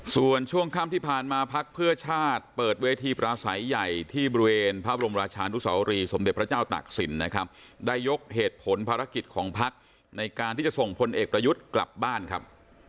ส่วนช่วงค่ำที่ผ่านมาพักเพื่อชาติเปิดเวทีปราศัยใหญ่ที่บริเวณพระบรมราชานุสวรีสมเด็จพระเจ้าตากศิลป์นะครับได้ยกเหตุผลภารกิจของพักในการที่จะส่งพลเอกประยุทธ์กลับบ้านครับ